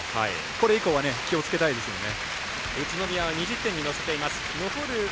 これ以降は気をつけたいですよね。